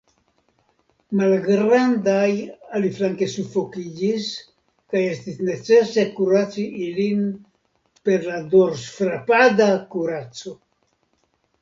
Malgrandaj aliflanke sufokiĝis, kaj estis necese kuraci ilin per la dorsfrapada kuraco.